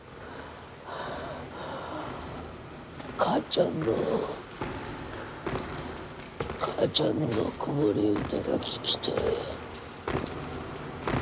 母ちゃんの母ちゃんの子守歌が聴きたい。